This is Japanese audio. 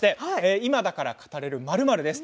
今だから語れる○○です。